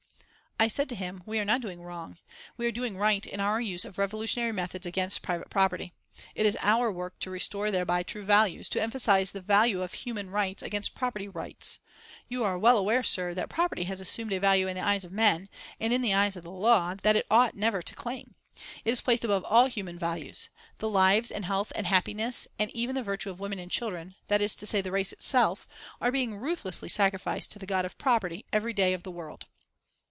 I said to him: "We are not doing wrong we are doing right in our use of revolutionary methods against private property. It is our work to restore thereby true values, to emphasise the value of human rights against property rights. You are well aware, sir, that property has assumed a value in the eyes of men, and in the eyes of the law, that it ought never to claim. It is placed above all human values. The lives and health and happiness, and even the virtue of women and children that is to say, the race itself are being ruthlessly sacrificed to the god of property every day of the world."